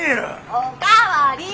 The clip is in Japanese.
お代わり！